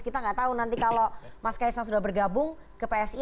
kita nggak tahu nanti kalau mas kaisang sudah bergabung ke psi